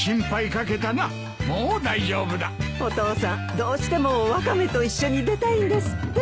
お父さんどうしてもワカメと一緒に出たいんですって。